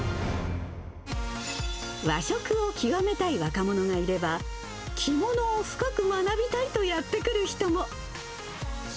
和食を極めたい若者がいれば、着物を深く学びたいとやって来る人も。